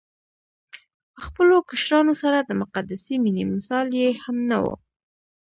خپلو کشرانو سره د مقدسې مينې مثال يې هم نه وو